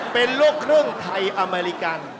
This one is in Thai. เป็นลูกครึ่งไทยอเมริกัน